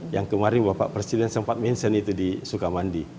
yang kemarin bapak presiden sempat mention itu di sukamandi